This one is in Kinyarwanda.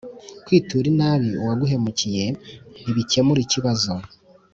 Kwitura inabi uwaguhemukiye ntibikemura ikibazo